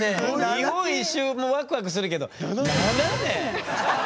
日本一周もワクワクするけど７年！